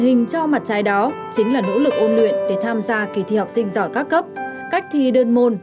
hình cho mặt trái đó chính là nỗ lực ôn luyện để tham gia kỳ thi học sinh giỏi các cấp cách thi đơn môn